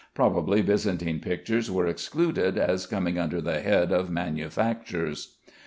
Probably Byzantine pictures were excluded, as coming under the head of manufactures.